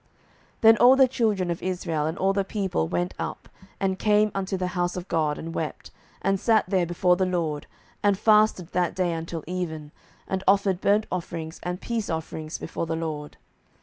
07:020:026 Then all the children of Israel, and all the people, went up, and came unto the house of God, and wept, and sat there before the LORD, and fasted that day until even, and offered burnt offerings and peace offerings before the LORD.